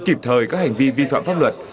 kịp thời các hành vi vi phạm pháp luật